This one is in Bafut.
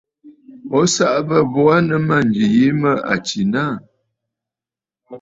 O saꞌa bə̂ bo aa nɨ mânjì yìi mə à tsìnə aà.